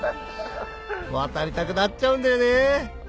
渡りたくなっちゃうんだよね